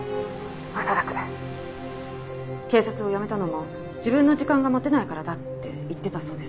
「恐らく」警察を辞めたのも自分の時間が持てないからだって言ってたそうです。